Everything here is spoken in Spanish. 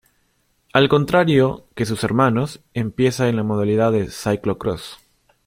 Al contrario que sus hermanos, empieza en la modalidad de Cyclo-cross.